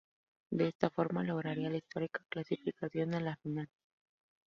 De esta forma, lograría la histórica clasificación a la final.